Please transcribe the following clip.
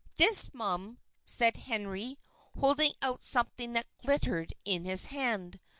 "This, Mum," said Henry, holding out something that glittered in his hand.